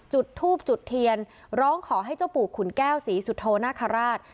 จุดทูบจุดเทียนร้องขอให้เจ้าปู่ขุนแก้วศรีสุโธนาคาราช